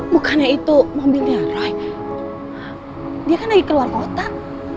bukannya itu mobilnya roy dia kan lagi keluar kotak